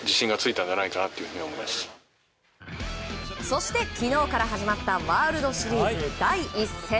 そして昨日から始まったワールドシリーズ第１戦。